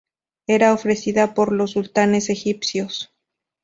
Era ofrecida por los sultanes egipcios.